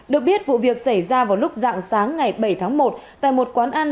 được biết vụ việc xảy ra vào lúc dạng sáng ngày bảy tháng một tại một quán ăn